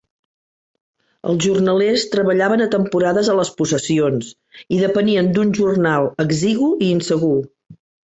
Els jornalers treballaven a temporades a les possessions i depenien d'un jornal exigu i insegur.